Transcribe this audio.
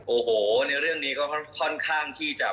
โอ้โหในเรื่องนี้ก็ค่อนข้างที่จะ